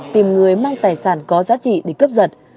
tìm người mang tài sản có giá trị để cướp giật